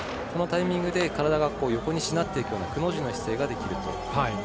そのタイミングで体が横にしなっていくようなくの字の姿勢ができると。